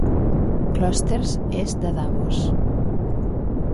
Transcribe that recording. Klosters és de Davos.